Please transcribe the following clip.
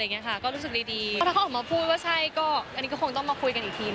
ถ้าเขาออกมาพูดว่าใช่ก็คงต้องมาคุยกันอีกที